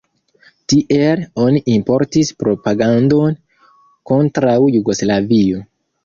Tiel oni importis propagandon kontraŭ Jugoslavio.